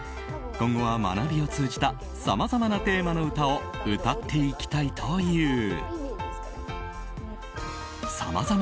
今後は学びを通じたさまざまなテーマの歌を歌っていきたいという。